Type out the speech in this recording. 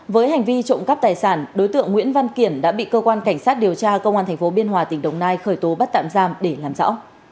với hành vi trộm cắp tài sản đối tượng nguyễn văn kiển đã bị cơ quan cảnh sát điều tra công an tp biên hòa tỉnh đồng nai khởi tố bắt tạm giam để làm rõ